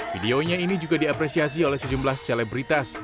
videonya ini juga diapresiasi oleh sejumlah selebritas